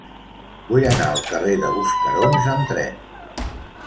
Vull anar al carrer de Buscarons amb tren.